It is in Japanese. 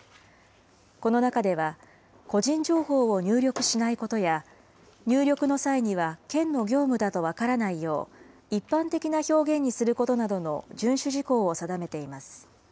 この中では、個人情報を入力しないことや、入力の際には県の業務だと分からないよう、一般的な表現にすることなどの順守事項を定めています。